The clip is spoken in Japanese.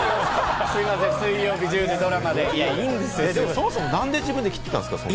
そもそも何で自分で切ったんですか？